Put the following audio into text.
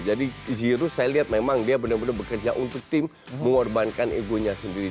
jadi giroud saya lihat memang dia benar benar bekerja untuk tim mengorbankan egonya sendiri